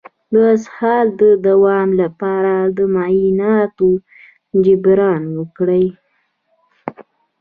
د اسهال د دوام لپاره د مایعاتو جبران وکړئ